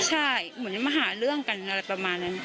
ใช่เหมือนจะมาหาเรื่องกันอะไรประมาณนั้น